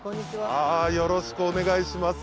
よろしくお願いします。